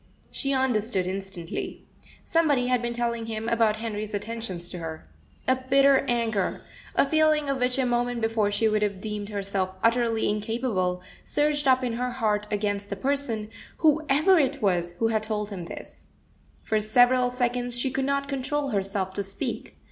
She understood instantly. Somebody had been telling him about Henry's attentions to her. A bitter anger, a feeling of which a moment before she would have deemed herself utterly incapable, surged up in her heart against the person, whoever it was, who had told him this. For several seconds she could not control herself to speak.